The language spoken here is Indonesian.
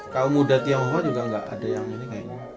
kalau muda tionghoa juga nggak ada yang ini kayaknya